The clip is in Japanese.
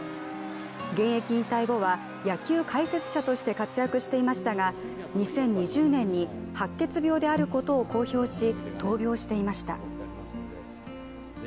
現役引退後は野球解説者として活躍していましたが、２０２０年に白血病であることを公表し、闘病していました。